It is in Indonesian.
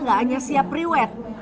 gak hanya siap riwet